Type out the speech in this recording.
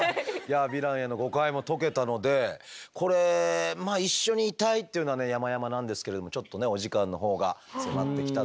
ヴィランへの誤解も解けたのでこれまあ一緒にいたいというのはやまやまなんですけれどもちょっとねお時間のほうが迫ってきたということで。